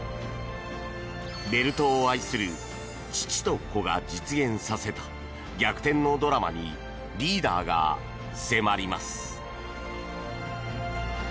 ベルトを愛する父と子が実現させた逆転のドラマにリーダーが迫ります。